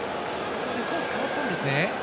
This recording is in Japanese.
コース変わったんですね。